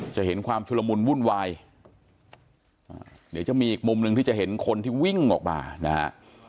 จะเห็นความชุลมุนวุ่นวายเดี๋ยวจะมีอีกมุมหนึ่งที่จะเห็นคนที่วิ่งออกมานะฮะ